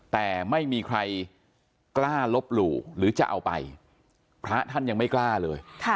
แต่ไม่มีใครกล้าลบหลู่หรือจะเอาไปพระท่านยังไม่กล้าเลย